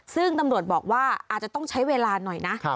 ซึ่งตำรวจบอกว่าอาจจะต้องใช้เวลาหน่อยนะ